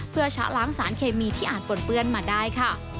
เพื่อชะล้างสารเคมีที่อาจปนเปื้อนมาได้ค่ะ